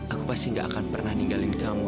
aku pasti gak akan pernah ninggalin kamu